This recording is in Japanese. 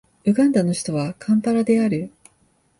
ウガンダの首都はカンパラである